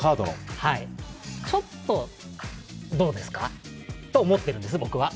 ちょっとどうですかと思ってるんです、僕は。